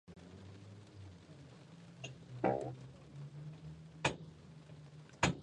La elección de Lima fue apoyada por el clan de La Barbera.